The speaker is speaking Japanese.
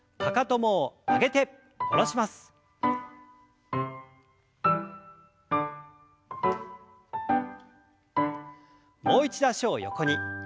もう一度脚を横に。